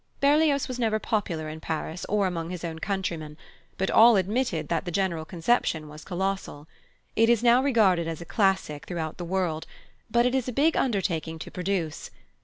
Berlioz was never popular in Paris or among his own countrymen; but all admitted that the general conception was colossal. It is now regarded as a classic throughout the world, but it is a big undertaking to produce.